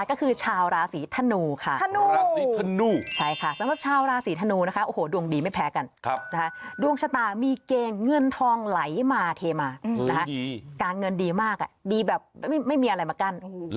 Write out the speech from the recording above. ก็คือชาวราศีธนูค่ะธนูราศีธนูใช่ค่ะสำหรับชาวราศีธนูนะคะโอ้โหดวงดีไม่แพ้กันนะคะดวงชะตามีเกณฑ์เงินทองไหลมาเทมานะคะการเงินดีมากดีแบบไม่มีอะไรมากั้น